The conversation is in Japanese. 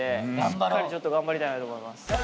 しっかり頑張りたいなと思います。